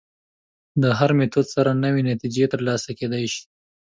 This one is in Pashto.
له هر میتود سره نوې نتیجې تر لاسه کېدای شي.